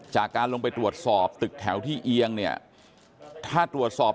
จากการลงไปตรวจสอบตึกแถวที่เอียงเนี่ยถ้าตรวจสอบ